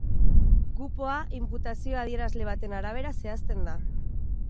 Kupoa inputazio adierazle baten arabera zehazten da.